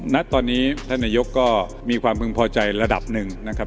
ณตอนนี้ท่านนายกก็มีความพึงพอใจระดับหนึ่งนะครับ